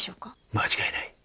間違いない。